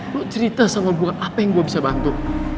lo cerita sama gue apa yang gue bisa bantu